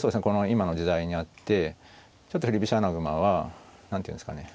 今の時代にあってちょっと振り飛車穴熊は何ていうんですかね